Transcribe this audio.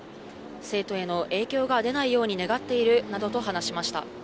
生徒への影響が出ないように願っているなどと話しました。